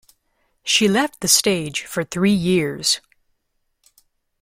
She left the stage for three years.